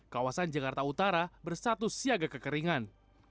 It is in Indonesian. kawasan jakarta utara bersatu siaga kekeringan